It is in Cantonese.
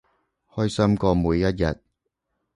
開心過每一日